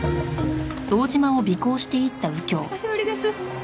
お久しぶりです！